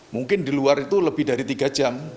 mungkin di luar itu lebih dari tiga jam